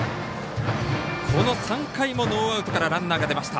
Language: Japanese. この３回もノーアウトからランナーが出ました。